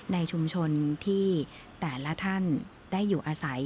ในชุมชนที่แต่ละท่านได้อยู่อาศัย